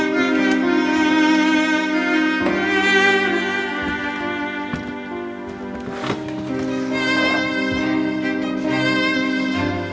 berarti dia belum pakai